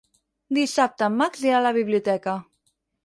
Dissabte en Max irà a la biblioteca.